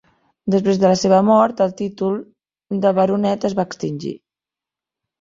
Després de la seva mort, el títol de baronet es va extingir.